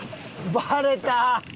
バレた。